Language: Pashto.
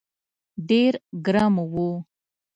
ډېر ګرم و.